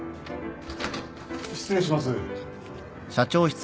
失礼します。